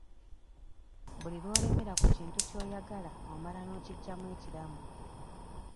Buli lw'olemera ku kintu ky'oyagala omala n'okiggyamu ekiramu.